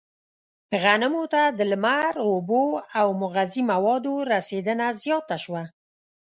غنمو ته د لمر، اوبو او مغذي موادو رسېدنه زیاته شوه.